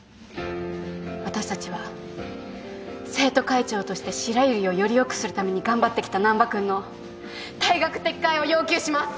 私たちは生徒会長として白百合をよりよくするために頑張ってきた難破君の退学撤回を要求します！